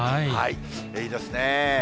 いいですね。